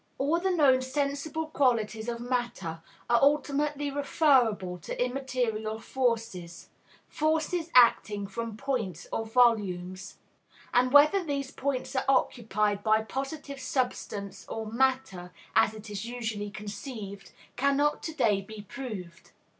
All the known sensible qualities of matter are ultimately referable to immaterial forces, "forces acting from points or volumes;" and whether these points are occupied by positive substance, or "matter" as it is usually conceived, cannot to day be proved.